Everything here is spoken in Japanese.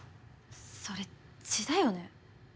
それ血だよね？